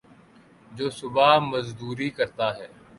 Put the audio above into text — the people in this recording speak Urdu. جو صبح مزدوری کرتا ہے